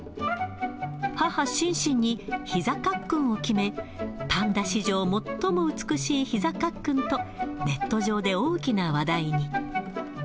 母、シンシンに、ひざかっくんを決め、パンダ史上、最も美しいひざかっくんと、ネット上で大きな話題に。